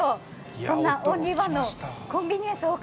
そんなオンリーワンのコンビニエンスおか